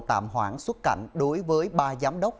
tạm hoãn xuất cảnh đối với ba giám đốc